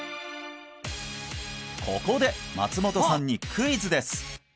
ここで松本さんにクイズです